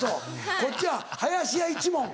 こっちは林家一門。